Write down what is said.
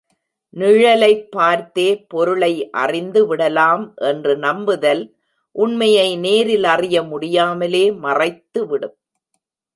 நிழலைப் பார்த்தே பொருளை அறிந்து விடலாம் என்று நம்புதல் உண்மையை நேரில் அறிய முடியாமலே மறைத்துவிடும்.